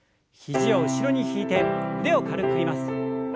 肘を後ろに引いて腕を軽く振ります。